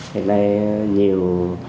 hiện nay nhiều